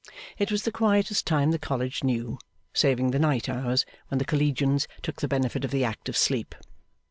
It was the quietest time the College knew, saving the night hours when the Collegians took the benefit of the act of sleep.